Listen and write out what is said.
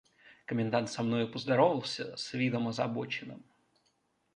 Комендант со мною поздоровался с видом озабоченным.